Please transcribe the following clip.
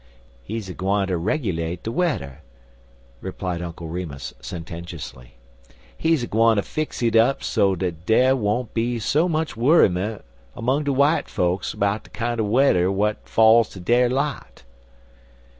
"He's a gwineter regelate de wedder," replied Uncle Remus, sententiously. "He's a gwineter fix hit up so dat dere won't be so much worriment 'mong de w'ite fokes 'bout de kinder wedder w'at falls to dere lot."